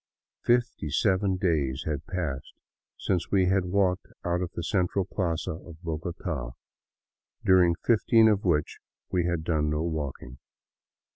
Fifty seven days had passed since we had walked out of the central plaza of Bogota, during fifteen of which we had done no walking.